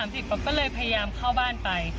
วันที่๓๐ป๊อปก็เลยพยายามเข้าบ้านไป